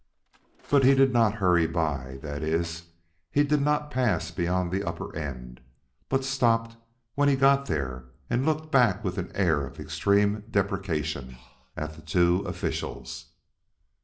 But he did not hurry by; that is, he did not pass beyond the upper end, but stopped when he got there and looked back with an air of extreme deprecation at the two officials.